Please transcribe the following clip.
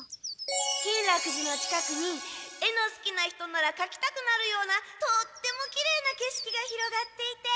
金楽寺の近くに絵のすきな人ならかきたくなるようなとってもきれいな景色が広がっていて。